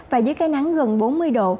và dưới cái nắng gần bốn mươi độ